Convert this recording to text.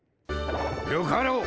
よかろう。